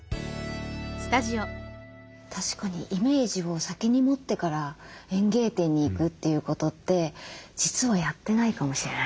確かにイメージを先に持ってから園芸店に行くということって実はやってないかもしれないですね。